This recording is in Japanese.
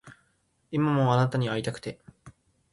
今もあなたに逢いたくて